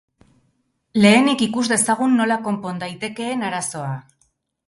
Lehenik ikus dezagun nola konpon daitekeen arazoa.